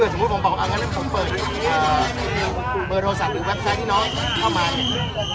เพราะถ้าเฉพาะผมบอกว่าเอางั้นก็คุ้มเปิดเบอร์โทรศัพท์หรือเว็บไซต์ที่น้องเข้ามาเนี่ย